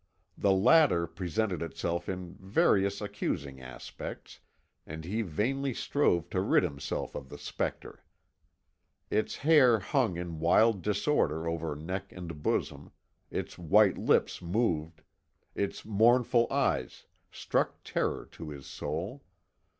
The latter presented itself in various accusing aspects, and he vainly strove to rid himself of the spectre. Its hair hung in wild disorder over neck and bosom, its white lips moved, its mournful eyes struck terror to his soul.